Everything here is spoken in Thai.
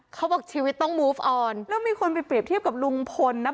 เขาบอกชีวิตต้องมูฟออนแล้วมีคนไปเปรียบเทียบกับลุงพลนะ